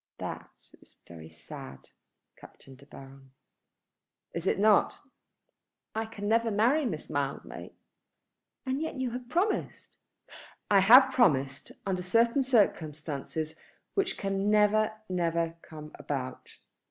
"That is very sad, Captain De Baron." "Is it not? I can never marry Miss Mildmay." "And yet you have promised?" "I have promised under certain circumstances which can never, never come about."